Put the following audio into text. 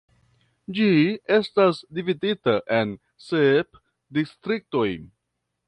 Ĝi estas dividita en sep distriktoj.